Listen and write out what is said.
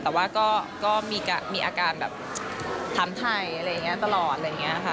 แต่ว่าก็มีอาการแบบถามไทยอะไรอย่างนี้ตลอดอะไรอย่างนี้ค่ะ